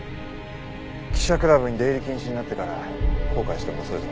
記者クラブに出入り禁止になってから後悔しても遅いぞ。